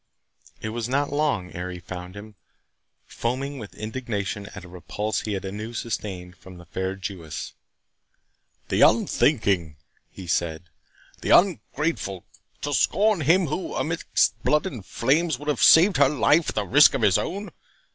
It was not long ere he found him, foaming with indignation at a repulse he had anew sustained from the fair Jewess. "The unthinking," he said, "the ungrateful, to scorn him who, amidst blood and flames, would have saved her life at the risk of his own!